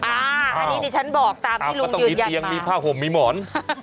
อ่าอันนี้ที่ฉันบอกตามที่ลุงยืนยันมาอ้าวก็ต้องมีเตียงมีผ้าห่มมีหมอน